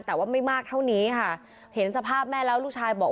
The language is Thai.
แต่ว่าไม่มากเท่านี้ค่ะเห็นสภาพแม่แล้วลูกชายบอก